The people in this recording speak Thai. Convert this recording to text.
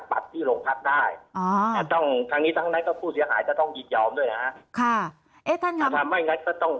ที่หลงพักได้ทั้งนี้ทั้งนี้ผู้เสียหายก็ต้องยิดยอมด้วยถ้าไม่น้อยก็ต้อง